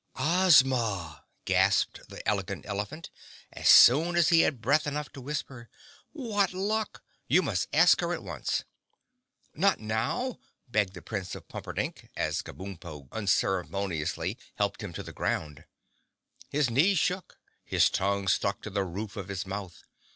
"Ozma," gasped the Elegant Elephant, as soon as he had breath enough to whisper. "What luck! You must ask her at once." "Not now," begged the Prince of Pumperdink, as Kabumpo unceremoniously helped him to the ground. His knees shook, his tongue stuck to the roof of his mouth.